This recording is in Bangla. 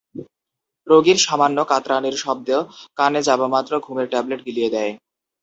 রোগীর সামান্য কাতরানির শব্দ কানে যাবামাত্র ঘুমের ট্যাবলেট গিলিয়ে দেয়।